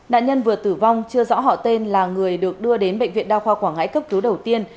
nạn nhân vừa tử vong chưa rõ họ tên là người được đưa đến bệnh viện đa khoa quảng ngãi cấp cứu đầu tiên